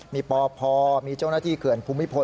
มีปพมีเจ้าหน้าที่เขื่อนภูมิพล